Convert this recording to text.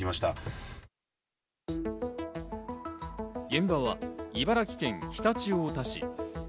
現場は茨城県常陸太田市。